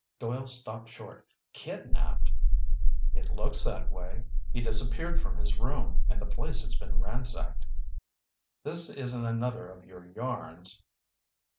Doyle stopped short. "Kidnapped!" "It looks that way. He disappeared from his room, and the place has been ransacked." "This isn't another of your yarns?"